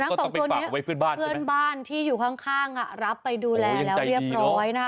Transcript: สองตัวนี้เพื่อนบ้านที่อยู่ข้างรับไปดูแลแล้วเรียบร้อยนะคะ